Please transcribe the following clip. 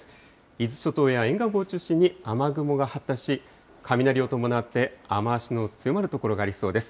伊豆諸島や沿岸部を中心に、雨雲が発達し、雷を伴って雨足の強まる所がありそうです。